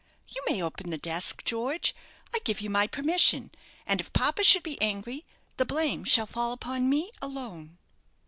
You may open the desk, George. I give you my permission; and if papa should be angry, the blame shall fall upon me alone."